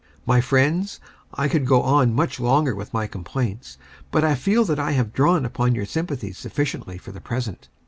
My friends, I could go on much longer with my complaints, but I feel that I have drawn upon your sympathies sufficiently for the present.